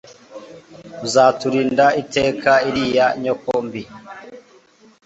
uzaturinda iteka iriya nyoko mbi